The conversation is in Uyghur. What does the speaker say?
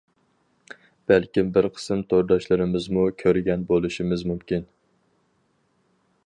بەلكىم بىر قىسىم تورداشلىرىمىزمۇ كۆرگەن بۇلىشىمىز مۇمكىن.